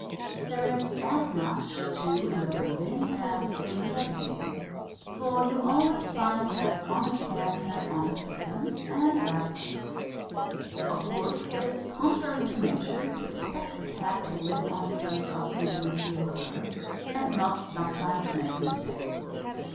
There is as much too in the breeding, as in the educating; for you always find that honest cats have honest kittens, and vice versâ. Of course it is contrary to nature to expect a cat to live on terms of intimacy with a bird and not sometimes make a mistake.